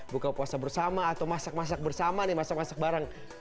buka puasa bersama atau masak masak bersama nih masak masak bareng